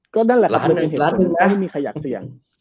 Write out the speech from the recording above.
ก็นั่นแหละสิไม่มีใครอยากเสี่ยง